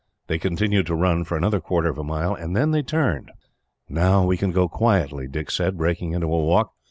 They continued to run, for another quarter of a mile, and then turned. "Now we can go quietly," Dick said, breaking into a walk.